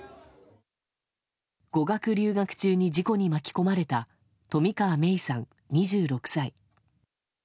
語学留学中に事故に巻き込まれた冨川芽生さん、２６歳。